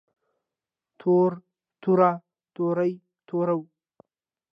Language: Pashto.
تور توره تورې تورو